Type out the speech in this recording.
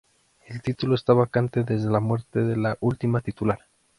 El título está vacante desde la muerte de la última titular.